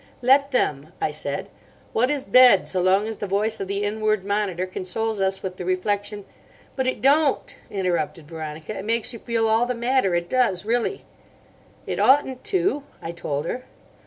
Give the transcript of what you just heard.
"Let them," I said. "What is bed so long as the voice of the inward Monitor consoles us with the reflection—" "But it don't," interrupted Veronica; "it makes you feel all the madder. It does really." "It oughtn't to," I told her.